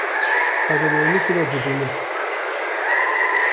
Xwe di neynikê de dibîne.